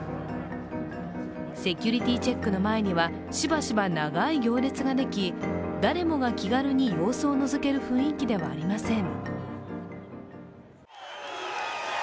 セキュリティーチェックの前にはしばしば長い行列ができ誰もが気軽に様子をのぞける雰囲気ではありません。